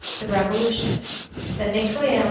THE REVOLUTIONIST BY MICHAÏL P.